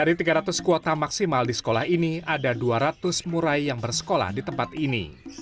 dari tiga ratus kuota maksimal di sekolah ini ada dua ratus murai yang bersekolah di tempat ini